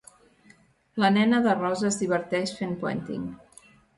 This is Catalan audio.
La nena de rosa es diverteix fent puenting.